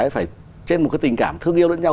phải trên một cái tình cảm thương yêu lẫn nhau